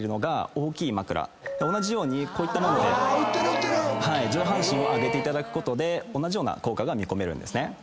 同じようにこういった物で上半身を上げていただくことで同じような効果が見込める。